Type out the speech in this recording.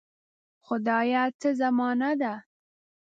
خدایه څه زمانه ده.